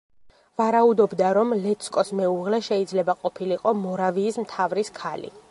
ვარაუდობდა რომ, ლეცკოს მეუღლე შეიძლება ყოფილიყო მორავიის მთავრის ქალი.